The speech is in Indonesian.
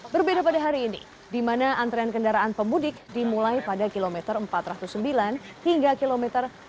berbeda pada hari ini di mana antrean kendaraan pemudik dimulai pada km empat ratus sembilan hingga km empat ratus sebelas